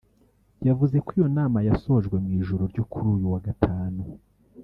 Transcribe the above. yavuze ko iyo nama yasojwe mu ijoro ryo kuri uyu wa Gatanu